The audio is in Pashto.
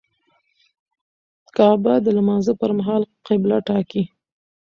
کعبه د لمانځه پر مهال قبله ټاکي.